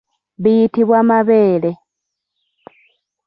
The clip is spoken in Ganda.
Biyitibwa mabeere.